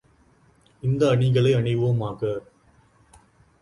இந்த அணிகளை அணிவோமாக!